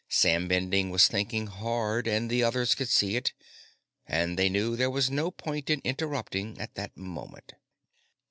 Sam Bending was thinking hard, and the others could see it and they knew there was no point in interrupting at that moment.